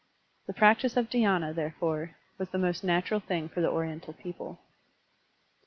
The practice of dhydna, therefore, was the most natural thing for the Oriental people.